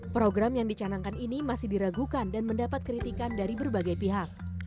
program yang dicanangkan ini masih diragukan dan mendapat kritikan dari berbagai pihak